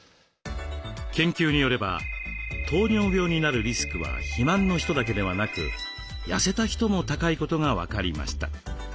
研究によれば糖尿病になるリスクは肥満の人だけではなくやせた人も高いことが分かりました。